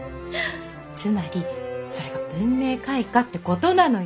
つまりそれが文明開化ってことなのよ！